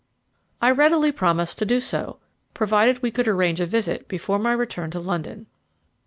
I readily promised to do so, provided we could arrange a visit before my return to London.